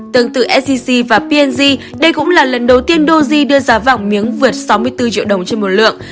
tương tự sec và p g đây cũng là lần đầu tiên doji đưa giá vàng miếng vượt sáu mươi bốn triệu đồng trên một lượng